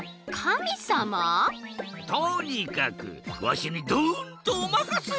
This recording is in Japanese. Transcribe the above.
とにかくわしにドンとおまかせ！